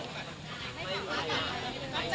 พระศักดิ์ไทย